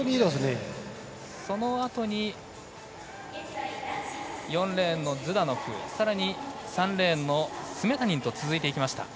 そのあとに４レーンのズダノフさらに、３レーンのスメタニンと続いていきました。